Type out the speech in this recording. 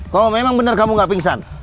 kalau memang benar kamu gak pingsan